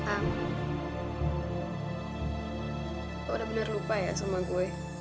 kamu sudah benar benar lupa ya sama aku